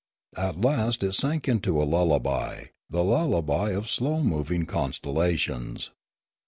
At last it sank into a lullaby, the lullaby of slow moving constel lations.